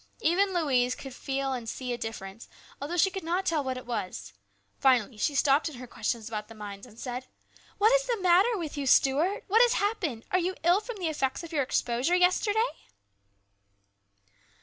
Even Louise could see and feel a difference, although she could not tell what it was. Finally she stopped in her questions about the mines and said : "What is the matter with you, Stuart? What has happened ? Are you ill from the effects of your exposure yesterday